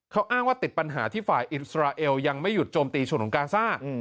เขาอ้างว่าติดปัญหาที่ฝ่ายอิสราเอลยังไม่หยุดโจมตีฉนของกาซ่า